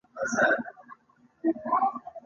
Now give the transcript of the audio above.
انتقادي نظرات یې هم وړاندې کړي دي.